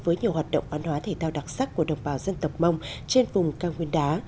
với nhiều hoạt động văn hóa thể thao đặc sắc của đồng bào dân tộc mông trên vùng cao nguyên đá